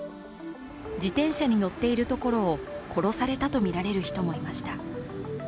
自転車に乗っているところを殺されたとみられる人もいました。